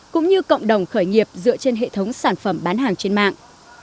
cũng như cộng đồng khởi nghiệp dựa trên hệ thống sản phẩm bán hàng trên mạng